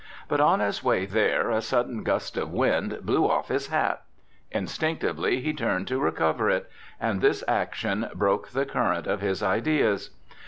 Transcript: But on his way there a sudden gust of wind blew off his hat; instinctively he turned to recover it, and this action broke the current of his ideas.